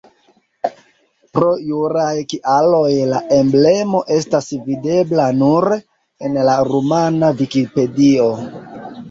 Pro juraj kialoj la emblemo estas videbla nur en la rumana vikipedio.